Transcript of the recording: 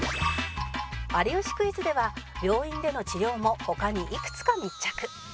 『有吉クイズ』では病院での治療も他にいくつか密着